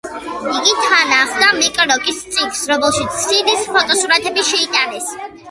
იგი თან ახლდა მიკ როკის წიგნს, რომელშიც სიდის ფოტოსურათები შეიტანეს.